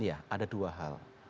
ya ada dua hal